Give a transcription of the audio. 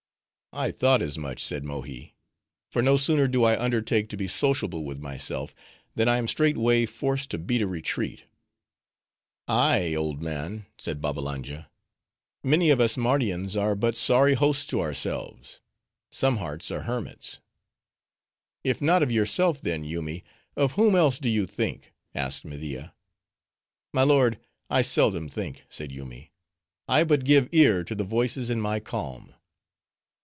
"I thought as much," said Mohi, "for no sooner do I undertake to be sociable with myself, than I am straightway forced to beat a retreat." "Ay, old man," said Babbalanja, "many of us Mardians are but sorry hosts to ourselves. Some hearts are hermits." "If not of yourself, then, Yoomy, of whom else do you think?" asked Media. "My lord, I seldom think," said Yoomy, "I but give ear to the voices in my calm."